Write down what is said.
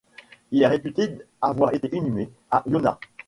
Il est réputé avoir été inhumé à Iona.